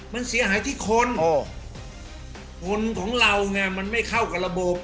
มันเสียหายที่คนคนของเราไงมันไม่เข้ากับระบบ